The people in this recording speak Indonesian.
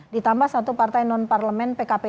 ditambah satu partai non parlemen pkp